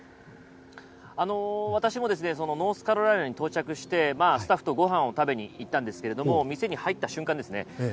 私もですねノースカロライナに到着してスタッフとご飯を食べに行ったんですけれども店に入った瞬間ですね